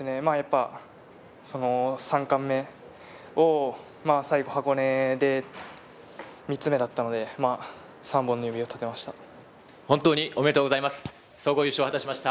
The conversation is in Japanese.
３冠目、最後箱根で３つ目だったので、３本の指を立てました。